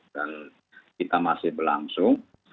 dan kita masih berlangsung